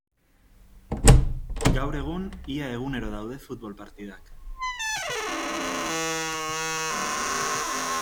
Gaur egun ia egunero daude futbol partidak.